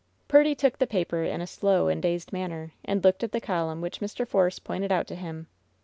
Purdy took the paper in a slow and dazed manner, and looked at the column which Mr. Force pointed out to him.